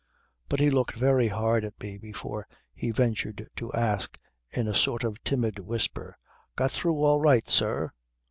But he looked very hard at me before he ventured to ask in a sort of timid whisper: "Got through all right, sir?"